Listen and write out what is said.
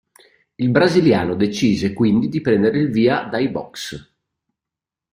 Il brasiliano decise quindi di prendere il via dai box.